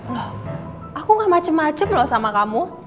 loh aku gak macem macem loh sama kamu